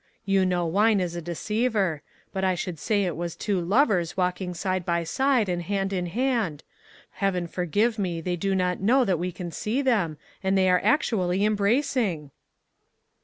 You know wine is a deceiver; but I should say it was two lovers walking side by side, and hand in hand. Heaven forgive me, they do not know that we can see them, and they are actually embracing!"